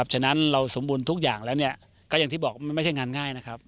ฉะนั้นเราสมบูรณ์ทุกอย่างแล้วก็อย่างที่บอกมันไม่ใช่งานง่ายนะครับ